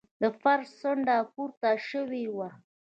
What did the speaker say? د فرش څنډه پورته شوې وه.